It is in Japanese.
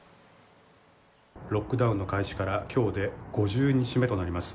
ロックダウンの開始から今日で５０日目となります。